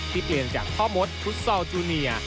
ที่เปลี่ยนจากท่อมดพุทธซอลจูเนีย